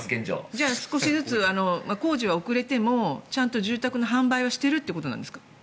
じゃあ少しずつ工事は遅れてもちゃんと住宅の販売はしてるってことですか？